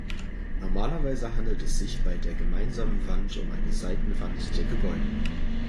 Normalerweise handelt es sich bei der gemeinsamen Wand um eine Seitenwand der Gebäude.